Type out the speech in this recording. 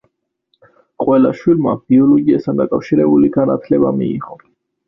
ყველა შვილმა ბიოლოგიასთან დაკავშირებული განათლება მიიღო.